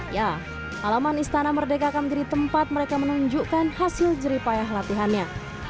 ya alaman istana merdeka akan menjadi tempat mereka menunjukkan hasil jeripayah latihannya